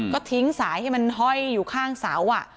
ก็ทิ้งสายให้มันห้อยอยู่ข้างเสา